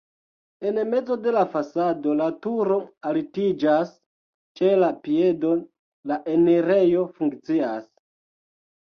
En mezo de la fasado la turo altiĝas, ĉe la piedo la enirejo funkcias.